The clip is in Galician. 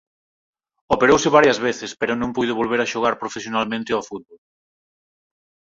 Operouse varias veces pero non puido volver a xogar profesionalmente ao fútbol.